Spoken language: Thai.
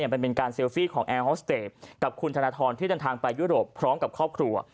มันเป็นการเซลฟี่ของแอร์ฮอสเตจกับคุณธนทรที่เดินทางไปยุโรปพร้อมกับครอบครัว